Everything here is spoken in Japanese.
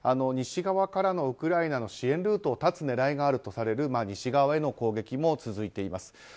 西側からのウクライナの支援ルートを断つ狙いがあるとされる西側への攻撃も続いています。